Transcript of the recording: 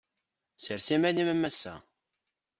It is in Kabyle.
Sers iman-im a massa.